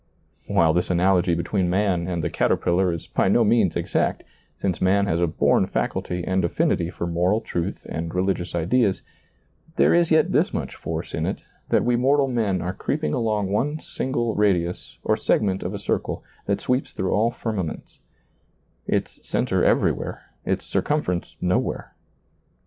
While this analogy between man and the caterpillar is by no means exact, since man has a bom faculty and affinity for moral truth and religious ideas, there is yet this much force in it, that we mortal men are creeping along one single radius or seg ment of a circle that sweeps through all firma ments — its center everywhere, its circumference nowhere.